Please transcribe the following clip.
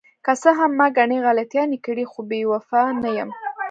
که څه هم ما ګڼې غلطیانې کړې، خو بې وفا نه یم.